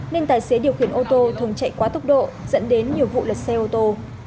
nên tài xế điều khiển ô tô thường chạy quá tốc độ dẫn đến nhiều vụ lật xe ô tô